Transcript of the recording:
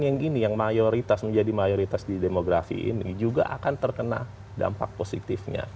yang gini yang mayoritas menjadi mayoritas di demografi ini juga akan terkena dampak positifnya